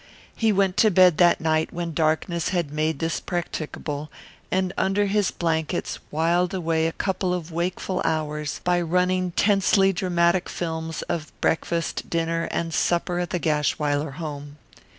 He went to bed that night when darkness had made this practicable, and under his blankets whiled away a couple of wakeful hours by running tensely dramatic films of breakfast, dinner, and supper at the Gashwiler home.